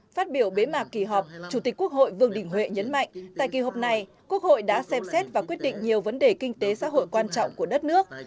phát biểu bế mạc kỳ họp chủ tịch quốc hội vương đình huệ nhấn mạnh tại kỳ họp này quốc hội đã xem xét và quyết định nhiều vấn đề kinh tế xã hội quan trọng của đất nước